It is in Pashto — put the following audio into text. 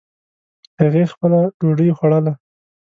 هغې خپله ډوډۍ خوړله